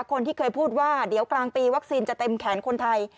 คนที่เคยพูดว่าเดี๋ยวกลางปีวัคซีนจะเต็มแขนคนไทย